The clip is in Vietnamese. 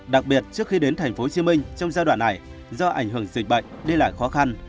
đặc biệt trước khi đến tp hcm trong giai đoạn này do ảnh hưởng dịch bệnh đi lại khó khăn